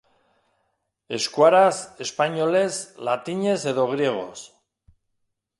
Escuaraz, españolez, latinez edo griegoz?.